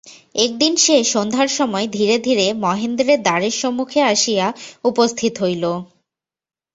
একদিন সে সন্ধ্যার সময় ধীরে ধীরে মহেন্দ্রের দ্বারের সম্মুখে আসিয়া উপস্থিত হইল।